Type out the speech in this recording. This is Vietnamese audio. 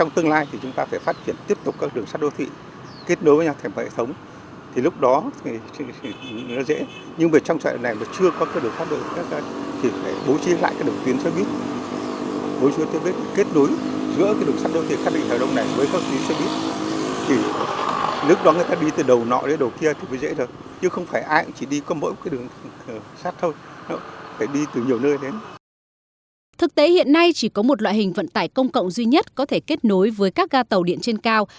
thực tế hiện nay chỉ có một loại hình vận tải công cộng duy nhất có thể kết nối với các gà tàu điện trên cao